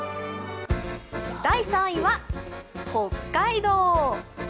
第３位は北海道。